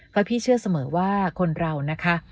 เพราะพี่เชื่อเสมอว่าคนเรานะคะ